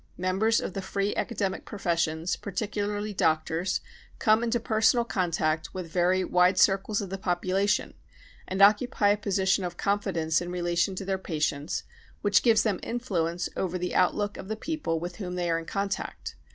Members of the free academic pro fessions, particularly doctors, come into personal con tact with very wide circles of the population and occupy a position of confidence in relation to their patients which gives them influence over the outlook of the people with whom they are in contact.